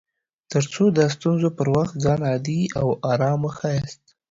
تر څو د ستونزو پر وخت ځان عادي او ارام وښياست